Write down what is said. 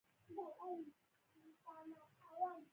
دا کار په کرنه کې د نارینه وو د بوختیا سبب کېده